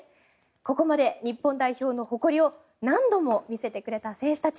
ここまで日本代表の誇りを何度も見せてくれた選手たち。